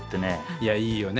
いやいいよね！